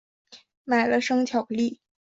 买了生巧克力